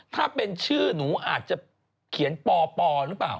ถ้าเป็นชื่อหนูอาจจะเขียนปปหรือเปล่า